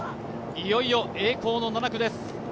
いよいよ栄光の７区です。